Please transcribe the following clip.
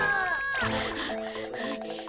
はあはあ。